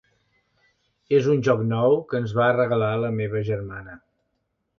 És un joc nou que ens va regalar la meva germana.